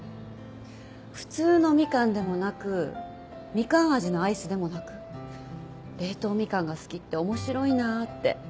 普通のみかんでもなくみかん味のアイスでもなく冷凍みかんが好きって面白いなーって。